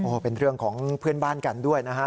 เป็นเรื่องของเพื่อนบ้านกันด้วยนะฮะ